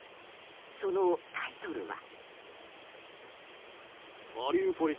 そのタイトルは。